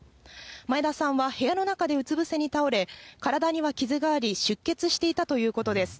前田さんは部屋の中でうつ伏せに倒れ、体には傷があり、出血していたということです。